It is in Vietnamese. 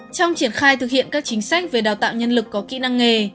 trong triển khai thực hiện các chính sách về đào tạo nhân lực có kỹ năng nghề